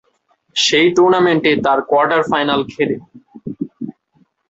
সেই টুর্নামেন্টে তার কোয়ার্টার ফাইনাল খেলে।